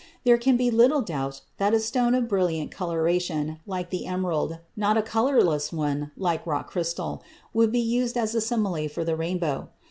There can be little doubt that a stone of brilliant coloration, like the emerald, not a colorless one, like rock crystal, would be used as a simile of the rainbow.